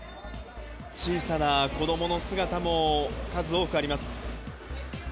小さな子どもの姿も数多くあります。